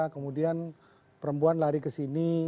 kemudian perempuan lari kesini